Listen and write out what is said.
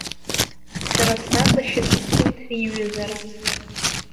Сара снаҵашьыцит урҭ реиҩызара.